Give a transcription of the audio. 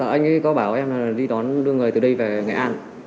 anh ấy có bảo em đi đón đưa người từ đây về nghệ an